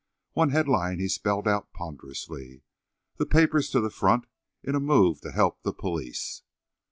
One headline he spelled out ponderously: "The Papers to the Front in a Move to Help the Police."